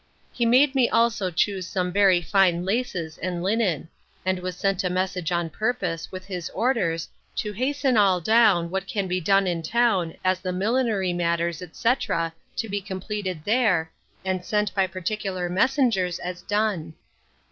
He made me also choose some very fine laces, and linen; and has sent a message on purpose, with his orders, to hasten all down, what can be done in town, as the millinery matters, etc. to be completed there, and sent by particular messengers, as done.